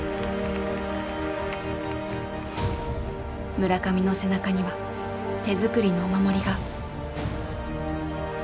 村上の背中には手作りのお守りが。